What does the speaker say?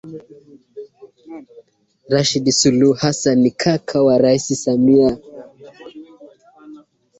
Rashid Suluhu Hassan ni kaka wa Rais Samia